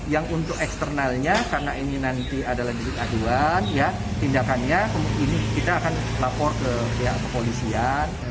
yang untuk eksternalnya karena ini nanti adalah delik aduan ya tindakannya ini kita akan lapor ke pihak kepolisian